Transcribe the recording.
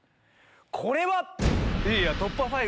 これは？